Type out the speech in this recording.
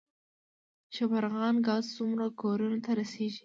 د شبرغان ګاز څومره کورونو ته رسیږي؟